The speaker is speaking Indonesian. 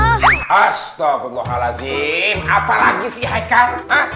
halus halus astagfirullahaladzim apalagi sih haikal